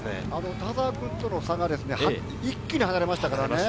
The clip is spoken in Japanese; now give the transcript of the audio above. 田澤君との差が一気に離れましたからね。